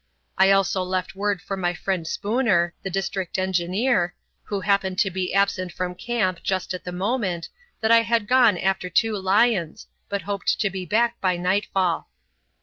I also left word for my friend Spooner, the District Engineer, who happened to be absent from camp just at the moment, that I had gone after two lions, but hoped to be back by nightfall.